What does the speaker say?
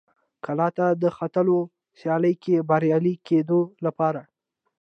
کلا ته د ختلو سیالۍ کې بریالي کېدو لپاره.